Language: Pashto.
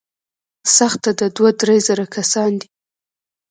سخته ده، دوه، درې زره کسان دي.